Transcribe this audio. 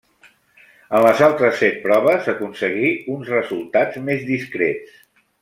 En les altres set proves aconseguí uns resultats més discrets.